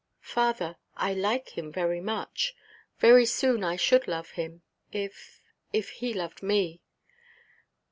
"Father, I like him very much. Very soon I should love him, if—if he loved me."